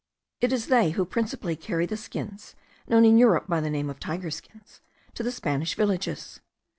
It is they who principally carry the skins, known in Europe by the name of tiger skins, to the Spanish villages.